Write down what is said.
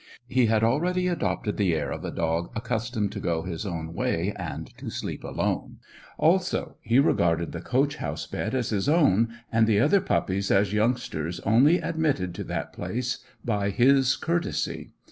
He had already adopted the air of a dog accustomed to go his own way and to sleep alone. Also, he regarded the coach house bed as his own, and the other puppies as youngsters only admitted to that place by his courtesy.